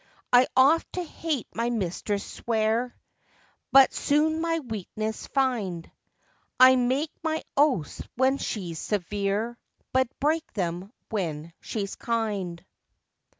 I oft to hate my mistress swear, But soon my weakness find; I make my oaths when she's severe, But break them when she's kind.